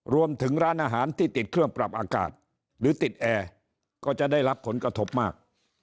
รวมถึงร้านอาหารที่ติดเครื่องปรับอากาศหรือติดแอร์ก็จะได้รับผลกระทบมาก